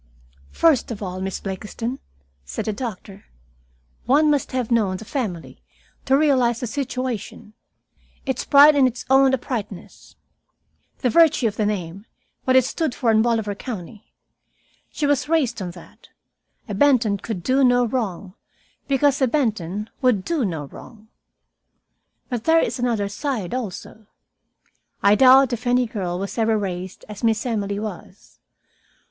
"First of all, Miss Blakiston," said the doctor, "one must have known the family to realize the situation its pride in its own uprightness. The virtue of the name, what it stood for in Bolivar County. She was raised on that. A Benton could do no wrong, because a Benton would do no wrong. "But there is another side, also. I doubt if any girl was ever raised as Miss Emily was.